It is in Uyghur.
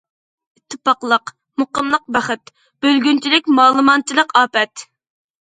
ئىتتىپاقلىق، مۇقىملىق بەخت، بۆلگۈنچىلىك، مالىمانچىلىق ئاپەت.